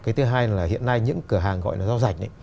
cái thứ hai là hiện nay những cửa hàng gọi là rau rạch